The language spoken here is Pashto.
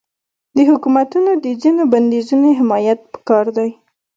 د حکومتونو د ځینو بندیزونو حمایت پکار دی.